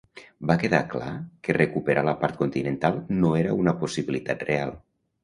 Va quedar clar que recuperar la part continental no era una possibilitat real.